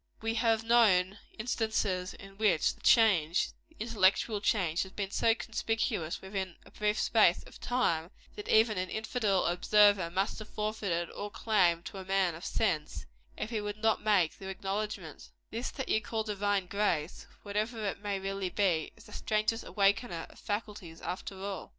We have known instances in which the change the intellectual change has been so conspicuous, within a brief space of time, that even an infidel observer must have forfeited all claim to a man of sense, if he would not make the acknowledgment This that you call divine grace, whatever it may really be, is the strangest awakener of faculties, after all."